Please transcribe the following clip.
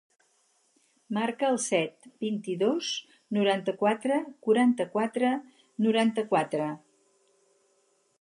Marca el set, vint-i-dos, noranta-quatre, quaranta-quatre, noranta-quatre.